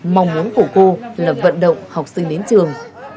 mong muốn của cô là vận động học sinh đến trường